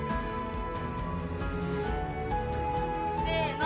せの。